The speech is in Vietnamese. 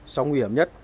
sông nguy hiểm nhất